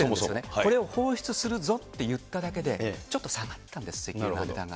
これを放出するぞって言っただけでちょっと下がったんです、石油の値段が。